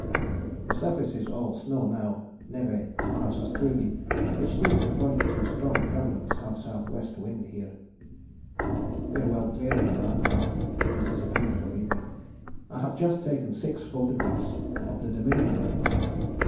The surface is all snow now, névé and hard sastrugi, which seem to point to a strong prevalent S.S.E. wind here. We are well clear of the land now, and it is a beautiful evening. I have just taken six photographs of the Dominion Range.